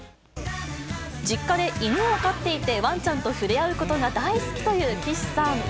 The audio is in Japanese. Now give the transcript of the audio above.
実家で犬を飼っていて、ワンちゃんと触れ合うことが大好きという岸さん。